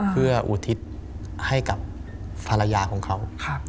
เพื่ออุทิศให้กับภรรยาของเขา